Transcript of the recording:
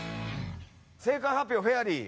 正解発表フェアリー